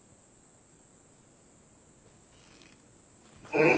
うん！